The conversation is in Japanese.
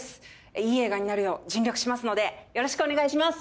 いい映画になるよう尽力しますのでよろしくお願いします。